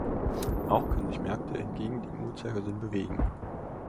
Auch können sich Märkte entgegen dem Uhrzeigersinn bewegen.